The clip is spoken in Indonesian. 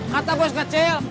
kata bos kecil